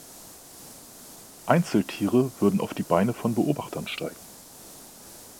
Einzeltiere würden auf die Beine von Beobachtern steigen.